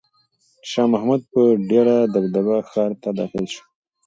شاه محمود په ډېره دبدبه ښار ته داخل شو.